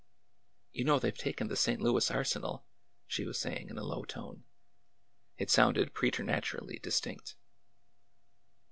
" You know they 've taken the St. Louis Arsenal," she was saying in a low tone. It sounded preternaturally distinct.